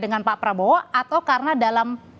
dengan pak prabowo atau karena dalam